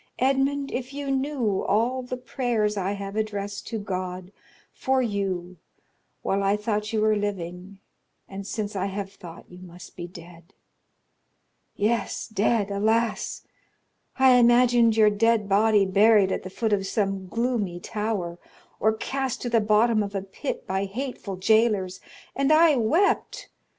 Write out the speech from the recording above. Edmond, if you knew all the prayers I have addressed to God for you while I thought you were living and since I have thought you must be dead! Yes, dead, alas! I imagined your dead body buried at the foot of some gloomy tower, or cast to the bottom of a pit by hateful jailers, and I wept!